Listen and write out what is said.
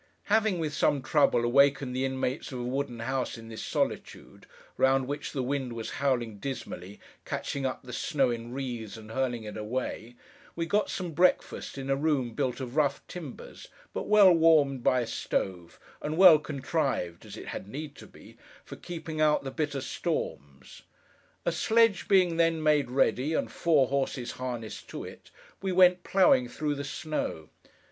Having, with some trouble, awakened the inmates of a wooden house in this solitude: round which the wind was howling dismally, catching up the snow in wreaths and hurling it away: we got some breakfast in a room built of rough timbers, but well warmed by a stove, and well contrived (as it had need to be) for keeping out the bitter storms. A sledge being then made ready, and four horses harnessed to it, we went, ploughing, through the snow.